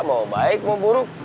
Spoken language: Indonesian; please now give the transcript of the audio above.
mau baik mau buruk